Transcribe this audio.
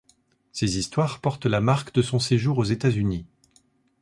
Ces histoires portent la marque de son séjour aux États-Unis.